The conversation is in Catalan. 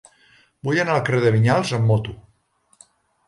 Vull anar al carrer de Vinyals amb moto.